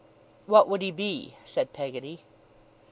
'What would he be?' said Peggotty.